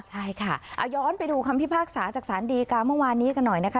ใช่ค่ะเอาย้อนไปดูคำพิพากษาจากศาลดีกาเมื่อวานนี้กันหน่อยนะคะ